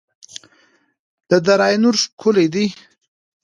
د دره نور ښکلې ده